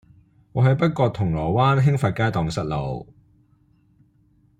我喺北角銅鑼灣興發街盪失路